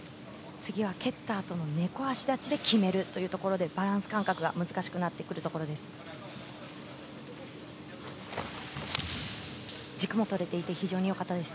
次は蹴ったあとの猫足立ちで決めるというところでバランス感覚が難しくなってくるところです。